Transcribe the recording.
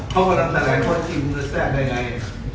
อ้อข้องคำแต่ลายได้มีคุณลูกว่าแซกได้ไง